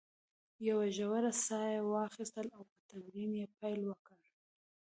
یوه ژوره ساه یې واخیستل او په تمرین یې پیل وکړ.